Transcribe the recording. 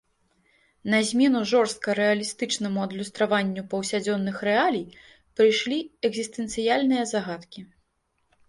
На змену жорстка рэалістычнаму адлюстраванню паўсядзённых рэалій прыйшлі экзістэнцыяльныя загадкі.